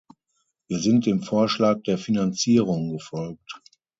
Wir sind dem Vorschlag der Finanzierung gefolgt.